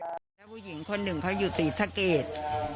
เมื่อสวัสดีกว่าหญิงคนหนึ่งเขายุ่นสี่สเกจ